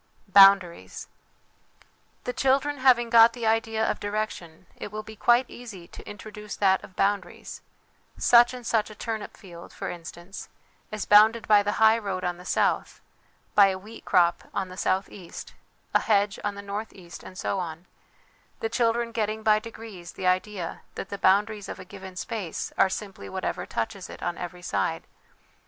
Boundaries. The children having got the idea of direction, it will be quite easy to introduce that of boundaries such and such a turnip field, for instance, is bounded by the highroad on the south, by a wheat crop on the south east, a hedge on the north east, and so on ; the children getting by degrees the idea that the boundaries of a given space are simply whatever touches it on every side.